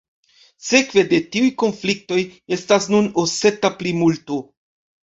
Sekve de tiuj konfliktoj estas nun oseta plimulto.